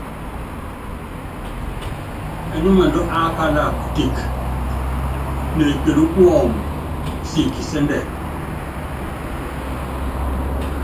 Ɛnúmɛndú ákála kuteke, neekelú kuɔmbɔ siki kisɛ́ndɛ.